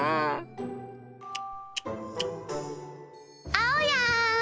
・あおやん！